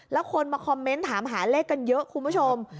แล้วคนมาคอมเมนต์ถามหาเลขกันเยอะคุณผู้ชม